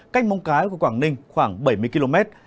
cách mong cái của quảng ninh khoảng bảy mươi km